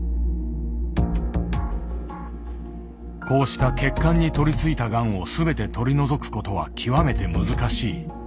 こうした血管に取りついたがんを全て取り除くことは極めて難しい。